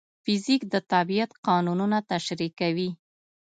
فزیک د طبیعت قانونونه تشریح کوي.